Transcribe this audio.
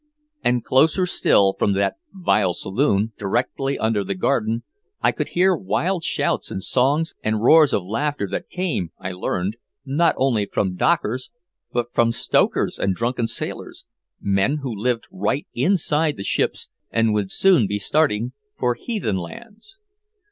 And closer still, from that "vile saloon" directly under the garden, I could hear wild shouts and songs and roars of laughter that came, I learned, not only from dockers, but from "stokers" and "drunken sailors," men who lived right inside the ships and would soon be starting for heathen lands!